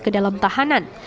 ke dalam tahanan